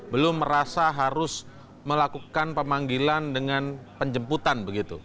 belum merasa harus melakukan pemanggilan dengan penjemputan begitu